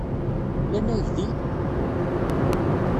Lan aydi?